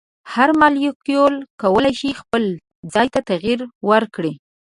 هر مالیکول کولی شي خپل ځای ته تغیر ورکړي.